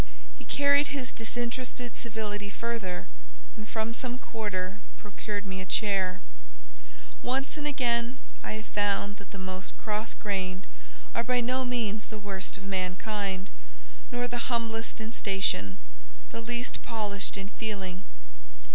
He carried his disinterested civility further; and, from some quarter, procured me a chair. Once and again, I have found that the most cross grained are by no means the worst of mankind; nor the humblest in station, the least polished in feeling.